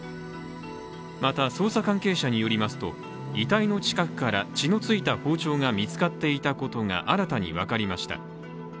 また、捜査関係者によりますと遺体の近くから血のついた包丁が見つかっていたことが新たに分かりました。